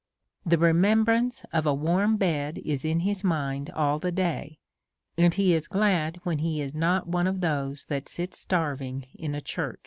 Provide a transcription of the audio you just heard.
The remembrance of a warm bed is in his mind all the day, and he is glad when he is not one of those that sit starving in a church.